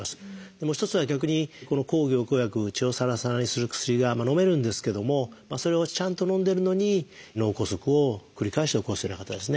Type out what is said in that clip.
もう一つは逆にこの抗凝固薬血をサラサラにする薬がのめるんですけどもそれをちゃんとのんでるのに脳梗塞を繰り返して起こすような方ですね